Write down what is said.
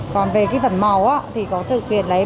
còn về phẩm màu thì có thực hiện lấy